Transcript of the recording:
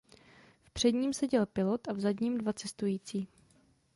V předním seděl pilot a v zadním dva cestující.